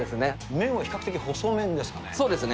麺は比較的細麺ですかね。